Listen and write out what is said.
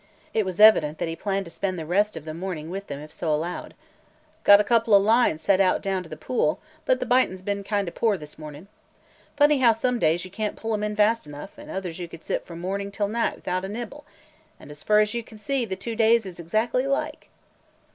It was evident that he planned to spend the rest of the morning with them if so allowed. "Got a couple o' lines set out down to the pool, but the bitin's kind o' poor this mornin'. Funny how some days you can 't pull 'em in fast enough; an' others you could sit from mornin' till night 'thout a nibble; an' as fur as you kin see, the two days is exactly alike!"